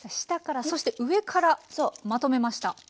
下からそして上からまとめました。